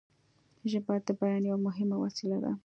ژبه د بیان یوه مهمه وسیله ده